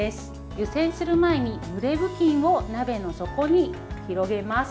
湯煎する前に、ぬれ布巾を鍋の底に広げます。